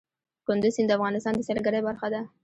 کندز سیند د افغانستان د سیلګرۍ برخه ده.